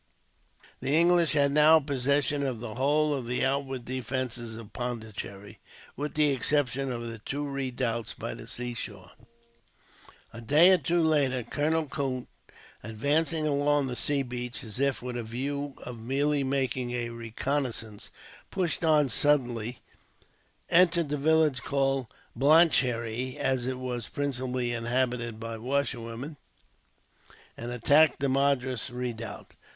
The English had now possession of the whole of the outward defences of Pondicherry, with the exception of the two redoubts by the seashore. A day or two later Colonel Coote, advancing along the sea beach as if with a view of merely making a reconnaissance, pushed on suddenly, entered the village called the Blancherie, as it was principally inhabited by washerwomen, and attacked the Madras redoubt.